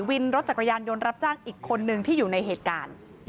วินรถจักรยานยนต์รับจ้างอีกคนนึงที่อยู่ในเหตุการณ์